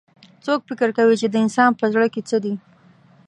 څوک فکر کوي چې د انسان پهزړه کي څه دي